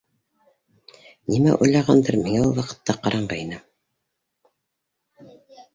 Нимә уйлағандыр, миңә ул ваҡытта ҡараңғы ине.